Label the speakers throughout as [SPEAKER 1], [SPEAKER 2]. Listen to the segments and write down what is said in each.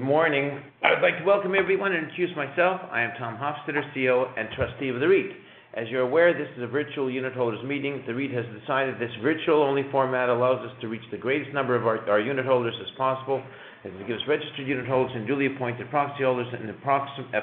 [SPEAKER 1] Good morning. I would like to welcome everyone and introduce myself. I am Tom Hofstedter, CEO and Trustee of the REIT. As you're aware, this is a virtual unitholders meeting. The REIT has decided this virtual-only format allows us to reach the greatest number of our unitholders as possible, and it gives registered unitholders and duly appointed proxy holders an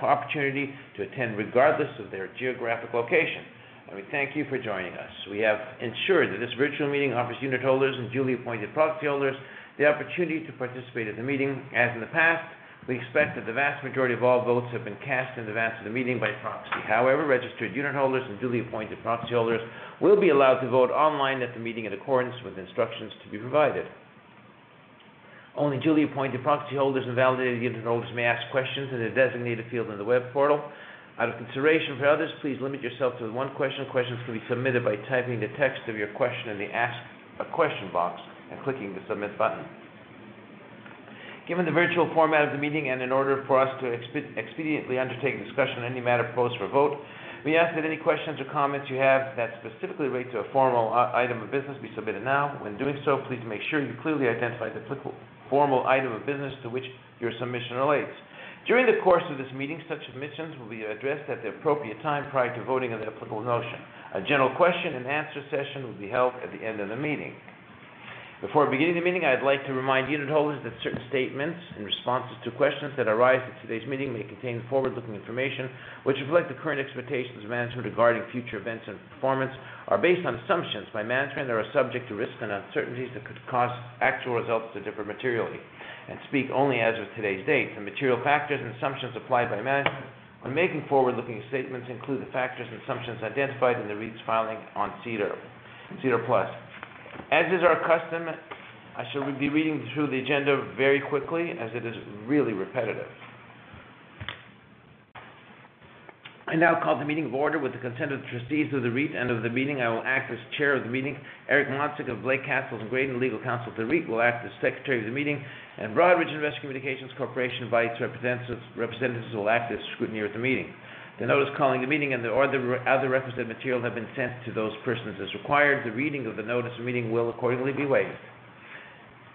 [SPEAKER 1] opportunity to attend, regardless of their geographic location. We thank you for joining us. We have ensured that this virtual meeting offers unitholders and duly appointed proxy holders the opportunity to participate in the meeting. As in the past, we expect that the vast majority of all votes have been cast in advance of the meeting by proxy. However, registered unitholders and duly appointed proxy holders will be allowed to vote online at the meeting in accordance with instructions to be provided. Only duly appointed proxy holders and validated unitholders may ask questions in a designated field on the web portal. Out of consideration for others, please limit yourself to one question. Questions can be submitted by typing the text of your question in the Ask a Question box and clicking the Submit button. Given the virtual format of the meeting, and in order for us to expediently undertake discussion on any matter posed for vote, we ask that any questions or comments you have that specifically relate to a formal item of business be submitted now. When doing so, please make sure you clearly identify the applicable formal item of business to which your submission relates. During the course of this meeting, such submissions will be addressed at the appropriate time prior to voting on the applicable motion. A general question and answer session will be held at the end of the meeting. Before beginning the meeting, I'd like to remind unitholders that certain statements and responses to questions that arise at today's meeting may contain forward-looking information, which reflect the current expectations of management regarding future events and performance, are based on assumptions by management, they are subject to risks and uncertainties that could cause actual results to differ materially, and speak only as of today's date. The material factors and assumptions applied by management when making forward-looking statements include the factors and assumptions identified in the REIT's filing on SEDAR+. As is our custom, I shall be reading through the agenda very quickly, as it is really repetitive. I now call the meeting to order with the consent of the trustees of the REIT and of the meeting. I will act as chair of the meeting. Eric Moncik of Blake, Cassels & Graydon, legal counsel of the REIT, will act as Secretary of the meeting, and Broadridge Investor Communications Corporation and by its representatives will act as scrutineer at the meeting. The notice calling the meeting and the other requisite material have been sent to those persons. As required, the reading of the notice of the meeting will accordingly be waived.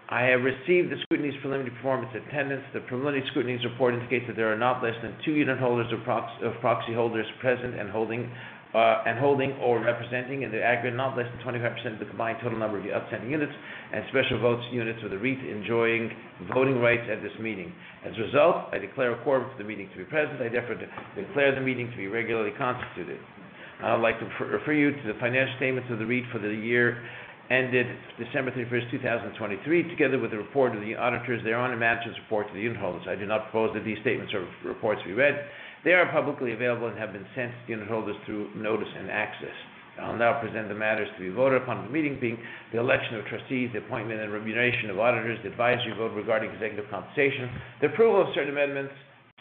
[SPEAKER 1] I have received the scrutineer's preliminary report on attendance. The preliminary scrutineer's report indicates that there are not less than two unitholders or proxy holders present and holding, and holding or representing, and the aggregate not less than 25% of the combined total number of the outstanding units and special voting units of the REIT enjoying voting rights at this meeting. As a result, I declare a quorum for the meeting to be present. I therefore declare the meeting to be regularly constituted. I would like to refer you to the financial statements of the REIT for the year ended December 31, 2023, together with the report of the auditors thereon, management's report to the unitholders. I do not propose that these statements or reports be read. They are publicly available and have been sent to the unitholders through notice and access. I'll now present the matters to be voted upon, the meeting being the election of trustees, the appointment and remuneration of auditors, the advisory vote regarding executive compensation, the approval of certain amendments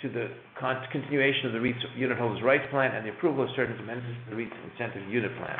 [SPEAKER 1] to the continuation of the REIT's Unitholder Rights Plan, and the approval of certain amendments to the REIT's incentive unit plan.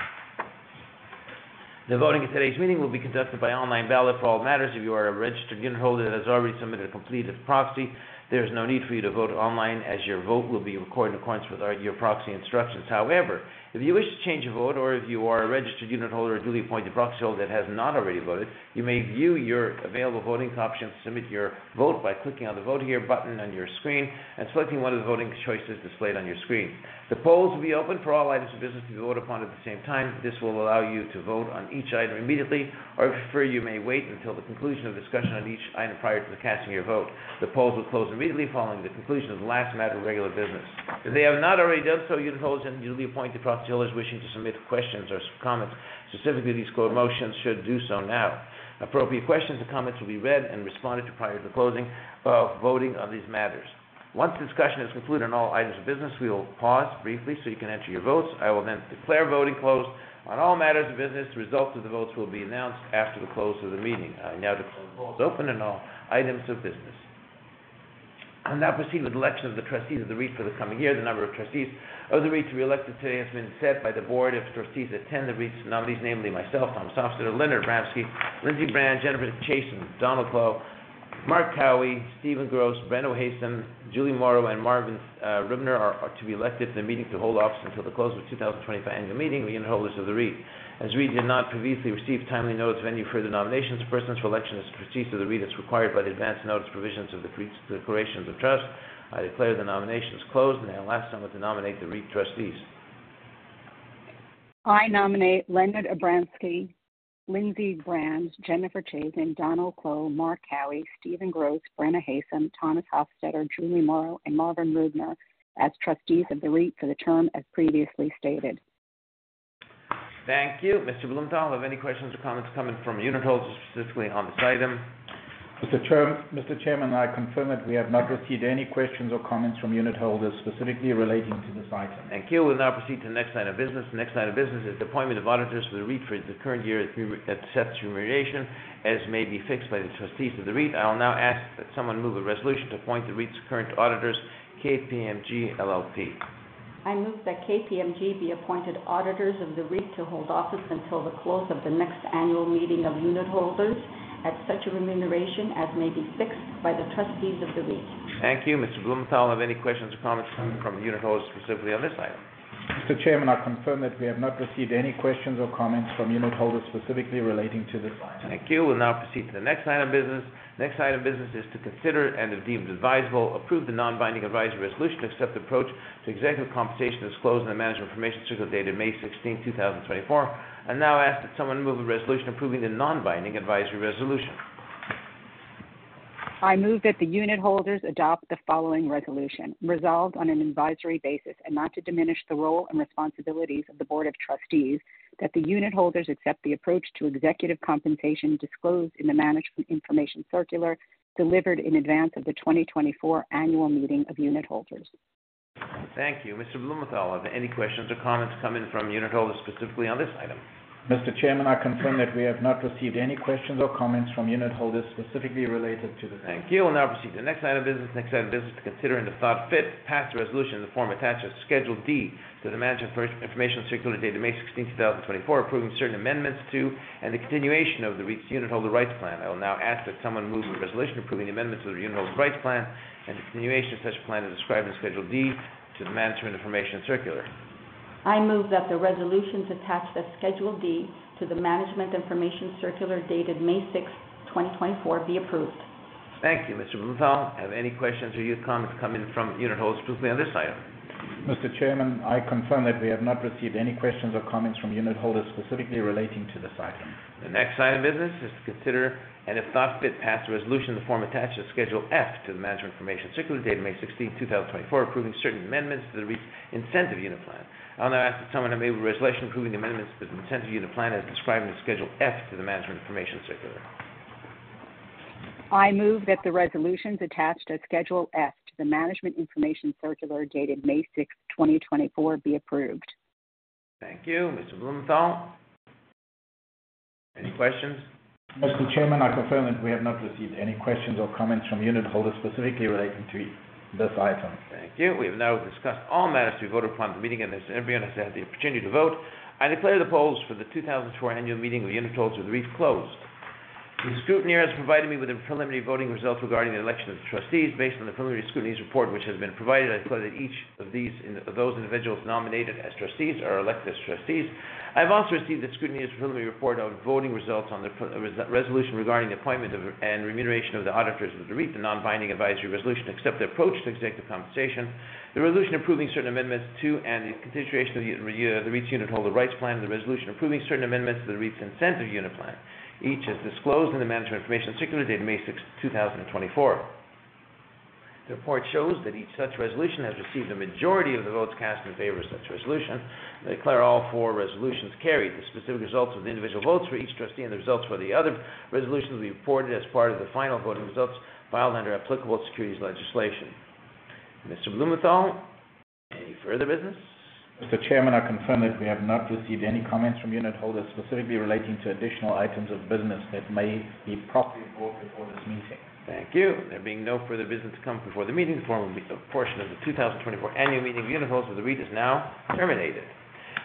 [SPEAKER 1] The voting at today's meeting will be conducted by online ballot for all matters. If you are a registered unitholder that has already submitted a completed proxy, there is no need for you to vote online, as your vote will be recorded in accordance with your proxy instructions. However, if you wish to change a vote, or if you are a registered unitholder or a duly appointed proxy holder that has not already voted, you may view your available voting options and submit your vote by clicking on the Vote Here button on your screen and selecting one of the voting choices displayed on your screen. The polls will be open for all items of business to be voted upon at the same time. This will allow you to vote on each item immediately, or if you prefer, you may wait until the conclusion of discussion on each item prior to the casting of your vote. The polls will close immediately following the conclusion of the last matter of regular business. If they have not already done so, unitholders and duly appointed proxy holders wishing to submit questions or comments, specifically these core motions, should do so now. Appropriate questions and comments will be read and responded to prior to the closing of voting on these matters. Once the discussion is concluded on all items of business, we will pause briefly so you can enter your votes. I will then declare voting closed on all matters of business. The results of the votes will be announced after the close of the meeting. I now declare the polls open in all items of business. I'll now proceed with the election of the trustees of the REIT for the coming year. The number of trustees of the REIT to be elected today has been set by the Board of Trustees at 10. The REIT's nominees, namely myself, Thomas Hofstedter, Leonard Abramsky, Lindsay Brand, Jennifer Chasson, Donald Clow, Mark Cowie, Stephen Gross, Brenna Haysom, Juli Morrow, and Marvin Rubner, are to be elected at the meeting to hold office until the close of the 2025 annual meeting of unitholders of the REIT. As we did not previously receive timely notice of any further nominations of persons for election as trustees of the REIT as required by the advance notice provisions of the REIT's Declaration of Trust, I declare the nominations closed, and I now ask someone to nominate the REIT trustees.
[SPEAKER 2] I nominate Leonard Abramsky, Lindsay Brand, Jennifer Chasson, Donald Clow, Mark Cowie, Stephen Gross, Brenna Haysom, Thomas Hofstedter, Juli Morrow, and Marvin Rubner as trustees of the REIT for the term, as previously stated.
[SPEAKER 1] Thank you. Mr. Blumenthal, have any questions or comments coming from unitholders specifically on this item?
[SPEAKER 2] Mr. Chair, Mr. Chairman, I confirm that we have not received any questions or comments from unitholders specifically relating to this item.
[SPEAKER 1] We will now proceed to the next line of business. The next line of business is the appointment of auditors for the REIT for the current year at such remuneration as may be fixed by the trustees of the REIT. I will now ask that someone move a resolution to appoint the REIT's current auditors, KPMG LLP.
[SPEAKER 2] I move that KPMG be appointed auditors of the REIT to hold office until the close of the next annual meeting of unitholders, at such a remuneration as may be fixed by the trustees of the REIT.
[SPEAKER 1] Thank you. Mr. Blumenthal, have any questions or comments from unitholders specifically on this item?
[SPEAKER 3] Mr. Chairman, I confirm that we have not received any questions or comments from unitholders specifically relating to this item.
[SPEAKER 1] Thank you. We'll now proceed to the next item of business. Next item of business is to consider, and if deemed advisable, approve the non-binding advisory resolution to accept the approach to executive compensation disclosed in the Management Information Circular dated May 16th, 2024. I now ask that someone move a resolution approving the non-binding advisory resolution.
[SPEAKER 2] I move that the unitholders adopt the following resolution: Resolved on an advisory basis and not to diminish the role and responsibilities of the Board of Trustees, that the unitholders accept the approach to executive compensation disclosed in the Management Information Circular, delivered in advance of the 2024 annual meeting of unitholders.
[SPEAKER 1] Thank you. Mr. Blumenthal, have any questions or comments come in from unitholders specifically on this item?
[SPEAKER 2] Mr. Chairman, I confirm that we have not received any questions or comments from unitholders specifically related to this.
[SPEAKER 1] Thank you. We'll now proceed to the next item of business. Next item of business is to consider and if thought fit, pass the resolution in the form attached to Schedule D to the Management Information Circular dated May 16, 2024, approving certain amendments to and the continuation of the REIT's Unitholder Rights Plan. I will now ask that someone move the resolution approving the amendments to the Unitholder Rights Plan and continuation of such plan as described in Schedule D to the Management Information Circular.
[SPEAKER 2] I move that the resolutions attached to Schedule D to the Management Information Circular dated May 6, 2024, be approved.
[SPEAKER 1] Thank you. Mr. Blumenthal, have any questions or any comments come in from unitholders to speak on this item?
[SPEAKER 2] Mr. Chairman, I confirm that we have not received any questions or comments from unitholders specifically relating to this item.
[SPEAKER 1] The next item of business is to consider, and if thought fit, pass the resolution in the form attached to Schedule F to the Management Information Circular, dated May 16, 2024, approving certain amendments to the REIT's Incentive Unit Plan. I'll now ask that someone enable the resolution approving the amendments to the Incentive Unit Plan as described in the Schedule F to the Management Information Circular.
[SPEAKER 2] I move that the resolutions attached at Schedule F to the Management Information Circular, dated May 6, 2024, be approved.
[SPEAKER 1] Thank you. Mr. Blumenthal, any questions?
[SPEAKER 2] Mr. Chairman, I confirm that we have not received any questions or comments from unitholders specifically relating to this item.
[SPEAKER 1] Thank you. We have now discussed all matters to be voted upon at the meeting, and as everyone has had the opportunity to vote, I declare the polls for the 2024 annual meeting of unitholders of the REIT closed. The scrutineer has provided me with the preliminary voting results regarding the election of the trustees. Based on the preliminary scrutineer's report, which has been provided, I declare that each of those individuals nominated as trustees are elected as trustees. I've also received the scrutineer's preliminary report on voting results on the resolution regarding the appointment of, and remuneration of the auditors of the REIT, the non-binding advisory resolution to accept the approach to executive compensation. The resolution approving certain amendments to and the continuation of the REIT's Unitholder Rights Plan, and the resolution approving certain amendments to the REIT's Incentive Unit Plan. Each is disclosed in the Management Information Circular dated May sixth, two thousand and twenty-four. The report shows that each such resolution has received a majority of the votes cast in favor of such resolution. I declare all four resolutions carried. The specific results of the individual votes for each trustee and the results for the other resolutions will be reported as part of the final voting results filed under applicable securities legislation. Mr. Blumenthal, any further business?
[SPEAKER 2] Mr. Chairman, I confirm that we have not received any comments from unitholders specifically relating to additional items of business that may be properly brought before this meeting.
[SPEAKER 1] Thank you. There being no further business to come before the meeting, the formal business portion of the 2024 annual meeting of unitholders for the REIT is now terminated.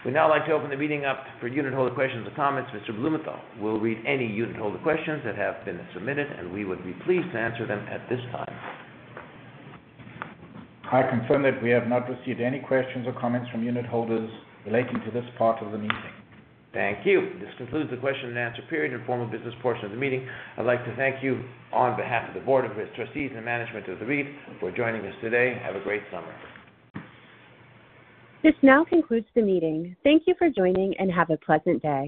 [SPEAKER 1] We'd now like to open the meeting up for unitholder questions and comments. Mr. Blumenthal, we'll read any unitholder questions that have been submitted, and we would be pleased to answer them at this time.
[SPEAKER 2] I confirm that we have not received any questions or comments from unitholders relating to this part of the meeting.
[SPEAKER 1] Thank you. This concludes the question and answer period and formal business portion of the meeting. I'd like to thank you on behalf of the Board of Trustees and management of the REIT for joining us today. Have a great summer.
[SPEAKER 3] This now concludes the meeting. Thank you for joining, and have a pleasant day.